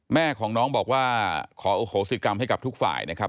แม่ของน้องบอกว่าขอโอโหสิกรรมให้กับทุกฝ่ายนะครับ